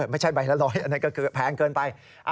ไม่ใช่ใบละ๑๐๐อันนั้นก็คือแพงเกินไป